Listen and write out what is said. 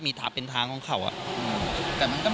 มีถาเป็นทางของเขา